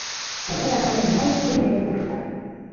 — Кызытак мыйым ноль семь дене ушыза.